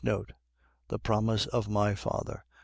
The promise of my Father.